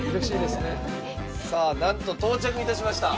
さあなんと到着致しました。